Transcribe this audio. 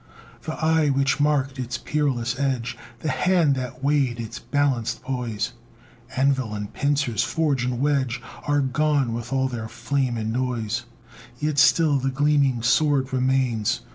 The eye which marked its peerless edge, The hand that weighed its balanced poise, Anvil and pincers, forge and wedge, Are gone with all their flame and noise; Yet still the gleaming sword remains!